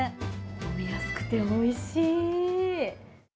飲みやすくておいしい。